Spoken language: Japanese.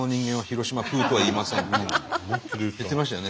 言ってましたよね